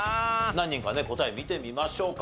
何人かね答え見てみましょうか。